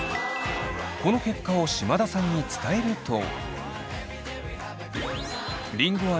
この結果を島田さんに伝えると。